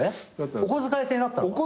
お小遣い制になったの？